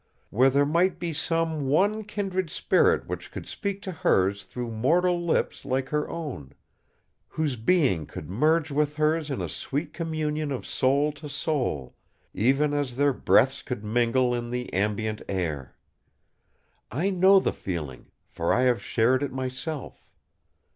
Where there might be some one kindred spirit which could speak to hers through mortal lips like her own; whose being could merge with hers in a sweet communion of soul to soul, even as their breaths could mingle in the ambient air! I know the feeling, for I have shared it myself.